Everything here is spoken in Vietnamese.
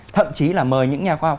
thậm chí là mời những nhà khoa học